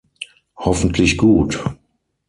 Hoffentlich gut.